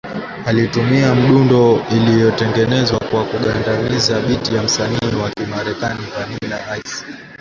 Alitumia mdundo iliyotengenezwa kwa kugandamizia beat ya msanii wa Kimarekani Vanilla Ice